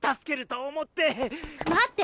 待って！